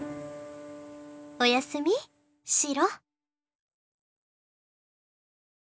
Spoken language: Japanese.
おやすみしろ。